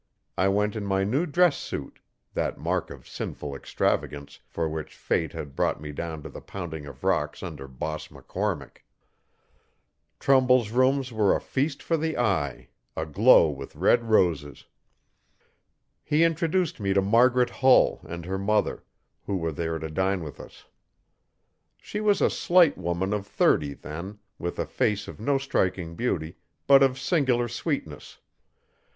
I went in my new dress suit that mark of sinful extravagance for which Fate had brought me down to the pounding of rocks under Boss McCormick. Trumbull's rooms were a feast for the eye aglow with red roses. He introduced me to Margaret Hull and her mother, who were there to dine with us. She was a slight woman of thirty then, with a face of no striking beauty, but of singular sweetness.